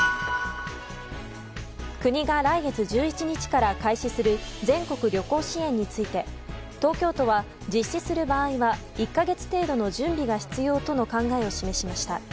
国が来月１１日から開始する全国旅行支援について東京都は実施する場合は１か月程度の準備が必要との考えを示しました。